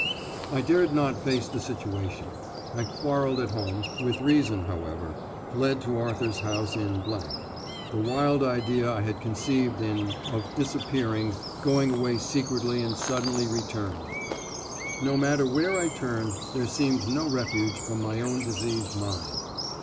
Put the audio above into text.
I dared not face the situation. I quarrelled at home, with reason, however, fled to Arthur's house in . The wild idea I had conceived in .... of disappearing, going away secretly and suddenly returned. No matter where I turned there seemed no refuge from my own diseased mind.